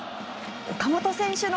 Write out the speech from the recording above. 岡本選手の。